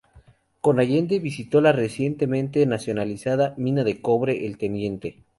Con Allende visitó la recientemente nacionalizada mina de cobre El Teniente.